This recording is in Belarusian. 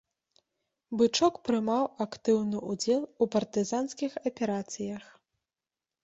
Бычок прымаў актыўны ўдзел у партызанскіх аперацыях.